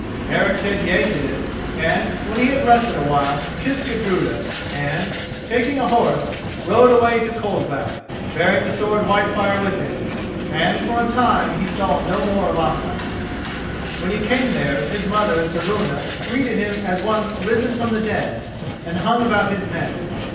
Eric said yea to this, and, when he had rested a while, he kissed Gudruda, and, taking a horse, rode away to Coldback, bearing the sword Whitefire with him, and for a time he saw no more of Ospakar. When he came there, his mother Saevuna greeted him as one risen from the dead, and hung about his neck.